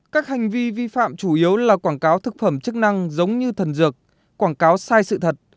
các hành vi vi phạm chủ yếu là quảng cáo thực phẩm chức năng giống như thần dược quảng cáo sai sự thật